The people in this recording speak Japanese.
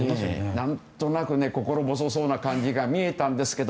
何となく心細そうな感じが見えたんですけど